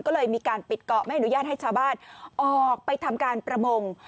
ก็เลยมีการปิดเกาะไม่อนุญาตให้ชาวบ้านออกไปทำการประมง